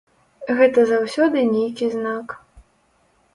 Гэта заўсёды нейкі знак.